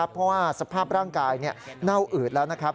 เพราะสภาพร่างกายน่าวอืดแล้ว